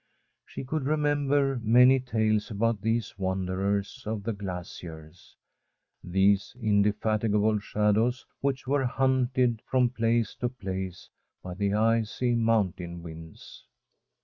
She could remember many tales about these wanderers of the glaciers — these indefatigable shadows which were hunted from place to place by the icy mountain winds.